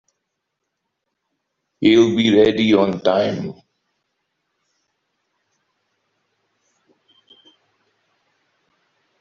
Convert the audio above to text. He'll be ready on time.